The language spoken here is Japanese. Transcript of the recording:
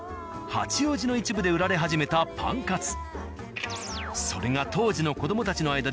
八王子の一部で売られ始めたパンカツ。